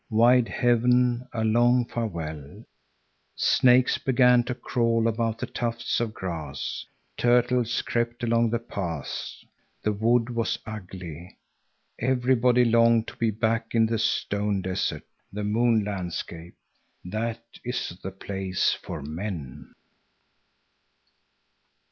Wide heaven, a long farewell! Snakes began to crawl about the tufts of grass. Turtles crept along the paths. The wood was ugly. Everybody longed to be back in the stone desert, the moon landscape. That is the place for men.